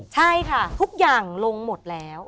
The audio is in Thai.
ใช่ค่ะทุกอย่างลงหมดแล้ว